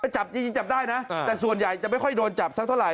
จับจริงจับได้นะแต่ส่วนใหญ่จะไม่ค่อยโดนจับสักเท่าไห